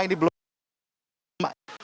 ini belum ada